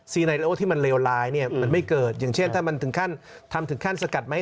ไนโลที่มันเลวร้ายเนี่ยมันไม่เกิดอย่างเช่นถ้ามันถึงขั้นทำถึงขั้นสกัดไหม